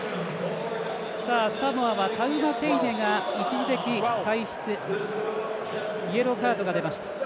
サモアはタウマテイネが一時的退出イエローカードが出ました。